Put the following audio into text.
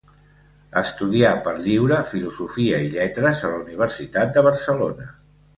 Estudià per lliure Filosofia i Lletres a la Universitat de Barcelona.